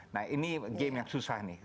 nah ini game yang susah nih